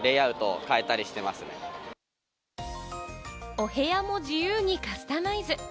お部屋も自由にカスタマイズ。